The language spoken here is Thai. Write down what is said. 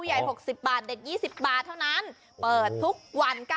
อย่าลืมมาอุดหยุดกันเยอะนะคะ